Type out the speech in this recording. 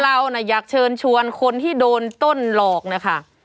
เราอยากเชิญชวนคนที่โดนต้นหลอกนะคะ